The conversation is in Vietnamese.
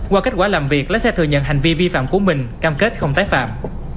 qua kết quả làm việc lái xe thừa nhận hành vi vi phạm của mình cam kết không tái phạm